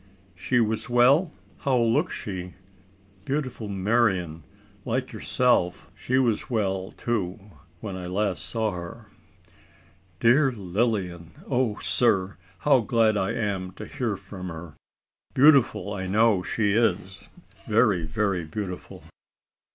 She was well!" "How looks she? Beautiful, Marian, like yourself. She was well, too, when I last saw her." "Dear Lilian! O sir! how glad I am to hear from her! Beautiful I know she is very, very beautiful.